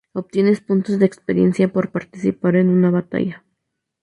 Obtienes puntos de experiencia por participar en una batalla.